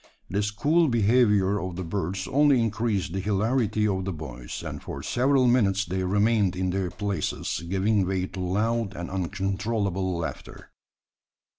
This cool behaviour of the birds only increased the hilarity of the boys; and for several minutes they remained in their places, giving way to loud and uncontrollable laughter.